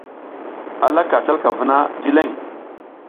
A laka calka vuna jileƞ.